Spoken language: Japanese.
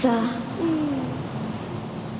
うん。